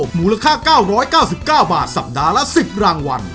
มูลค่า๙๙๙บาทสัปดาห์ละ๑๐รางวัล